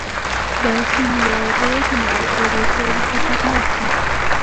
د سند له رود نه تیریدل خطرناک دي.